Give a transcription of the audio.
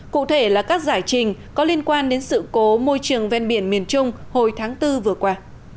cụ thể là các giải trình có liên quan đến sự cố môi trường ven biển miền trung hồi tháng bốn vừa qua